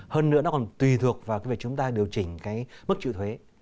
hơn nữa nó còn tùy thuộc vào cái việc chúng ta điều chỉnh mức trịu thuế